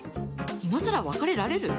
今更別れられる？